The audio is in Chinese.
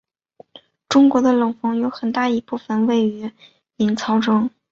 中国的冷锋有很大一部分位于隐槽中。